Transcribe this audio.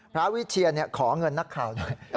พระวิเชียนขอเงินนักข่าวด้วย